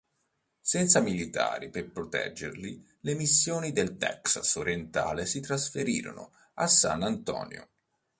Senza militari per proteggerli, le missioni del Texas orientale si trasferirono a San Antonio.